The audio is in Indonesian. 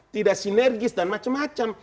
tidak sinergis dan macam macam